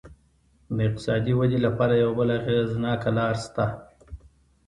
د اقتصادي ودې لپاره یوه بله اغېزناکه لار شته.